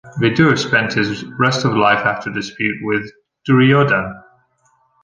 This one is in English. Vidur spent his rest of life after dispute with Duryodhan.